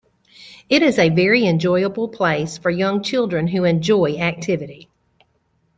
It is a very enjoyable place for young children who enjoy activity.